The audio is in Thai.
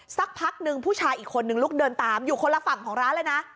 สักพักหนึ่งผู้ชายอีกคนนึงลุกเดินตามอยู่คนละฝั่งของร้านเลยนะ